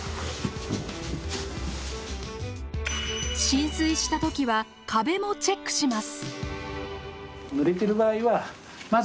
浸水した時は壁もチェックします。